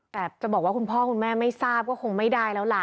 แต่จะบอกว่าคุณพ่อคุณแม่ไม่ทราบก็คงไม่ได้แล้วล่ะ